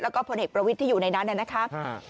แล้วก็พลเอกประวิทย์ที่อยู่ในนั้นนะครับ